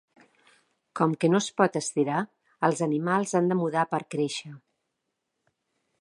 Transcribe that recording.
Com que no es pot estirar, els animals han de mudar per créixer.